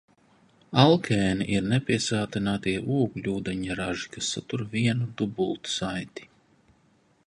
Alkēni ir nepiesātinātie ogļūdeņraži, kas satur vienu dubultsaiti.